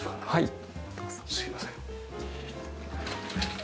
はい。